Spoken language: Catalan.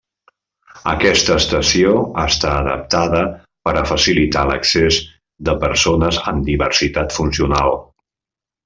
Aquesta estació està adaptada per a facilitar l'accés de persones amb diversitat funcional.